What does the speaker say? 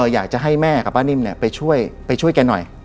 อยากจะให้แม่กับป้านิ่มไปช่วยไปช่วยแกหน่อย